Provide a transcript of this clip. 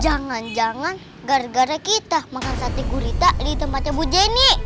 jangan jangan gara gara kita makan sate gurita di tempatnya bu jenny